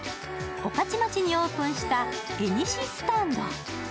御徒町にオープンしたエニシスタンド。